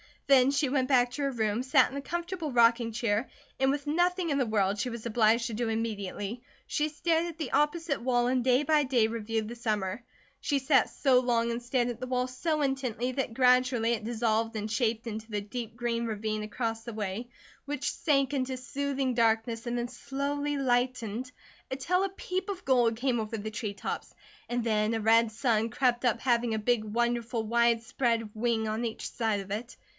Then she went back to her room, sat in the comfortable rocking chair, and with nothing in the world she was obliged to do immediately, she stared at the opposite wall and day by day reviewed the summer. She sat so long and stared at the wall so intently that gradually it dissolved and shaped into the deep green ravine across the way, which sank into soothing darkness and the slowly lightened until a peep of gold came over the tree tops; and then, a red sun crept up having a big wonderful widespread wing on each side of it.